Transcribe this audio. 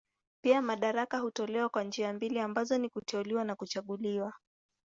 Pia madaraka hutolewa kwa njia mbili ambazo ni kuteuliwa na kuchaguliwa.